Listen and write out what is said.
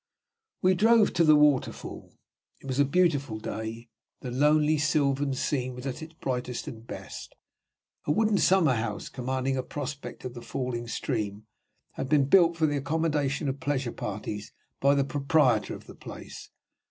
We drove to the waterfall. It was a beautiful day; the lonely sylvan scene was at its brightest and best. A wooden summer house, commanding a prospect of the falling stream, had been built for the accommodation of pleasure parties by the proprietor of the place.